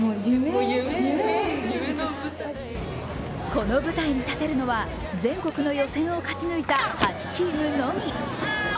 この舞台に立てるのは、全国の予選を勝ち抜いた８チームのみ。